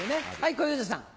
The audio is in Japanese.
小遊三さん。